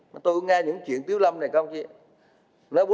mà tôi nghe những chuyện tiếu lâm này không chứ